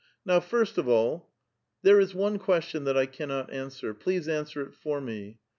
Now first of all, there is one question that I cannot answer ; please answer it for me.